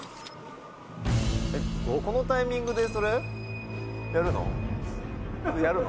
「このタイミングでそれやるの？